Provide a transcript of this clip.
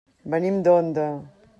Venim d'Onda.